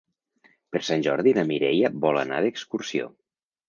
Per Sant Jordi na Mireia vol anar d'excursió.